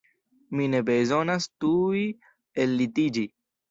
Mi ne bezonas tuj ellitiĝi.